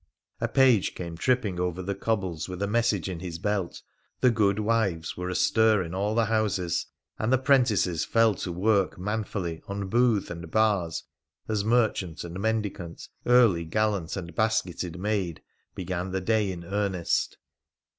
A page came tripping over the cobbles with a message in his belt, the good wives were astir in all the houses, and the 'prentices fell to work manfully on booth and bars as merchant and mendicant, early gallant and basketed maid, began the day in earnest.